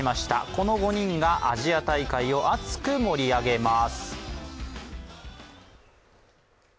この５人がアジア大会を熱く盛り上げます。